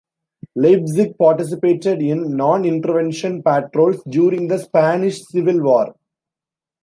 "Leipzig" participated in non-intervention patrols during the Spanish Civil War.